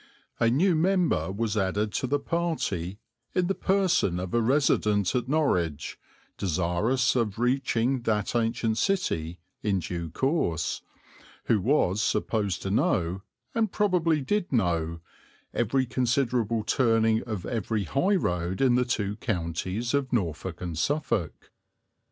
A new member was added to the party in the person of a resident at Norwich, desirous of reaching that ancient city in due course, who was supposed to know, and probably did know, every considerable turning of every high road in the two counties of Norfolk and Suffolk.